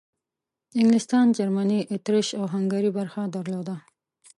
انګلستان، جرمني، اطریش او هنګري برخه درلوده.